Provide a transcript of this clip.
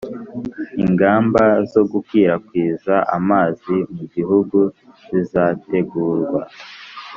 ingamba zo gukwirakwiza amazi mu gihugu zizategurwa